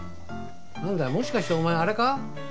もしかしてお前あれか？